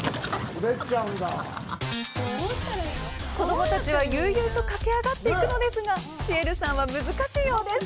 子供たちは悠々と駆け上がっていくのですが、シエルさんは難しいようです。